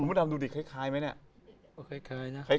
คุณทำดูดิคล้ายมั้ยเนี่ย